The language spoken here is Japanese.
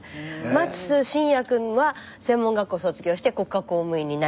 松伸哉くんは専門学校卒業して国家公務員になり。